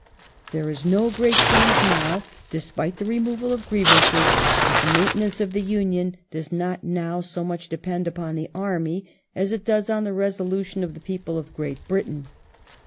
There is no great change now, despite the removal of grievances ; but the maintenance of the Union does not now so much depend upon the army as it does on the resolution of the people of Great Britain.